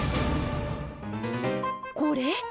これ？